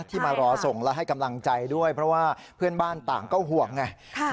ที่มารอส่งและให้กำลังใจด้วยเพราะว่าเพื่อนบ้านต่างก็ห่วงไง